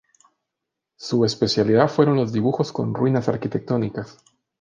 Su especialidad fueron los dibujos con ruinas arquitectónicas.